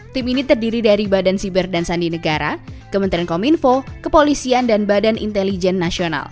tim ini terdiri dari badan siber dan sandi negara kementerian kominfo kepolisian dan badan intelijen nasional